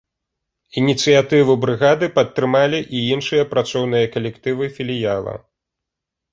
Ініцыятыву брыгады падтрымалі і іншыя працоўныя калектывы філіяла.